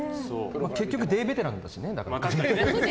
結局、でえベテランだしね。